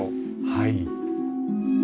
はい。